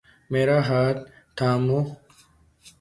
میرا ہاتھ تھامو